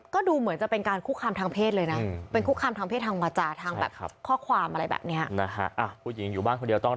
ก็ดูเหมือนจะเป็นการคุกคามทางเพศเลยนะ